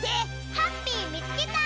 ハッピーみつけた！